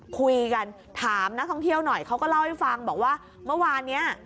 คุยกันถามนักท่องเที่ยวหน่อยเขาก็เล่าให้ฟังบอกว่าเมื่อวานเนี้ย